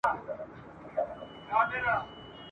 ورته ځیر سه ورته غوږ سه په هینداره کي انسان ته !.